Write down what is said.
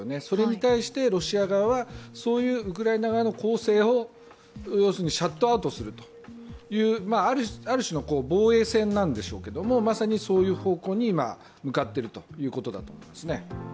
それに対してロシア側は、そういうウクライナ側の攻勢をシャットアウトする、ある種の防衛線なんでしょうけども、そういう方向に向かってるということだと思います。